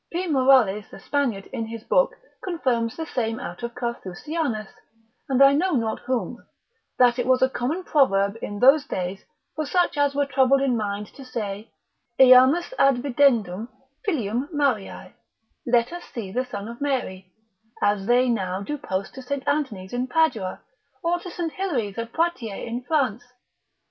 P. Morales the Spaniard in his book de pulch. Jes. et Mar. confirms the same out of Carthusianus, and I know not whom, that it was a common proverb in those days, for such as were troubled in mind to say, eamus ad videndum filium Mariae, let us see the son of Mary, as they now do post to St. Anthony's in Padua, or to St. Hilary's at Poitiers in France.